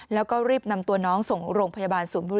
แล้วก็รีบนำตัวน้องส่งลงพยาบาล